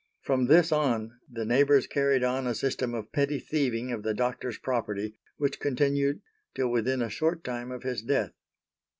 From this on the neighbors carried on a system of petty thieving of the doctor's property which continued till within a short time of his death.